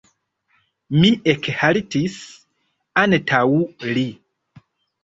Mi ekhaltis antaŭ li.